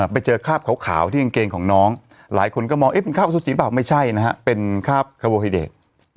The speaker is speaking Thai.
ไปเจอคราบขาวที่กางเกงของน้องหลายคนก็มองเป็นคาบซูสีเปล่าไม่ใช่นะฮะเป็นคาบคาโบฮิเดต